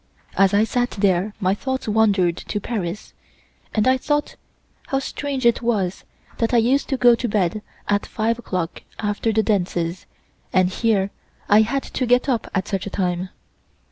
As I sat there my thoughts wandered to Paris, and I thought how strange it was that I used to go to bed at 5 o'clock after the dances, and here I had to get up at such a time.